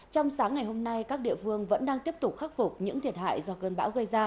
trong sáng ngày hôm nay các địa phương vẫn đang tiếp tục khắc phục những thiệt hại do cơn bão gây ra